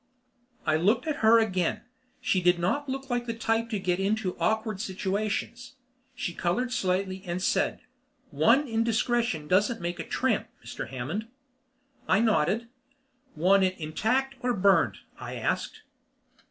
I looked at her again. She did not look the type to get into awkward situations. She colored slightly and said, "One indiscretion doesn't make a tramp, Mr. Hammond." I nodded. "Want it intact or burned?" I asked.